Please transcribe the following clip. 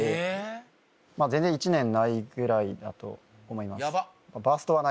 全然１年ないぐらいだと思いますヤバッ！